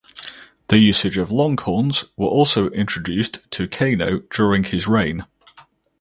The usage of longhorns were also introduced to Kano during his reign.